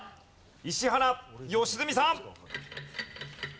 石原良純さん。